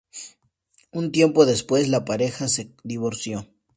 Un tiempo despues, la pareja se divorció.